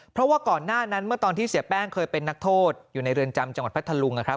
เพราะว่าก่อนหน้านั้นเมื่อตอนที่เสียแป้งเคยเป็นนักโทษอยู่ในเรือนจำจังหวัดพัทธลุงนะครับ